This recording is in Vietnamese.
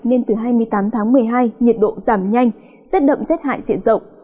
nên từ hai mươi tám tháng một mươi hai nhiệt độ giảm nhanh xét đậm xét hại diện rộng